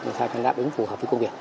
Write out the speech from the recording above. nó sẽ đảm bảo ứng phù hợp với công việc